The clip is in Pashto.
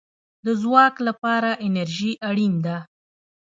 د ځواک لپاره انرژي اړین ده